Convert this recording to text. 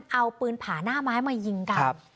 เอาปืนผาหน้าไม้มายิงกัน